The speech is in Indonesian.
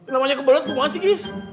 namanya kebetulan kok banget sih is